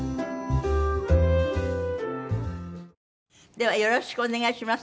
ではよろしくお願いします。